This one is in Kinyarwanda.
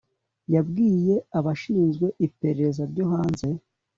Yabwiye abashinzwe iperereza ryo hanze